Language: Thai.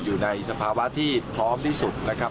อยู่ในสภาวะที่พร้อมที่สุดนะครับ